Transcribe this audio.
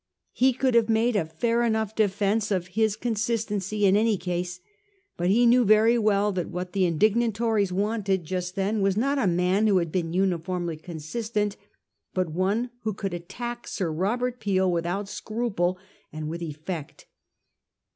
He could have made a fair enough defence of his consistency in any case, but he knew very well that what the in dignant Tories wanted just then was not a man who had been uniformly consistent, but one who could attack Sir Robert Peel without scruple and with effect.